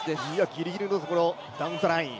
ギリギリのところ、ダウンザライン。